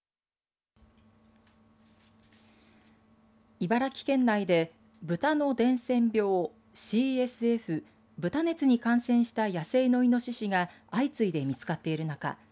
茨城県内で豚の伝染病ＣＳＦ＝豚熱に感染した野生のイノシシが相次いで見つかっているなか